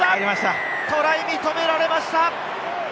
トライ、認められました！